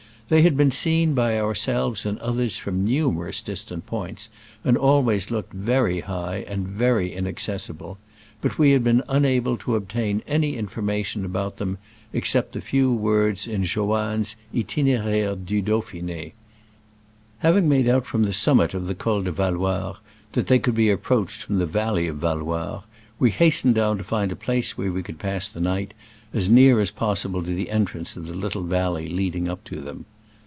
They had been seen by our selves and others from numerous distant points, and always looked very high and very inaccessible ; but we had been un able to obtain any information about them, except the few words in Joanne's Itineraire du Dauphine, Having made out from the summit of the Col de Val loires that they could be approached from the valley of Valloires, we hastened down to find a place where we could pass the night, as near as possible to the entrance of the little valley leading up to them.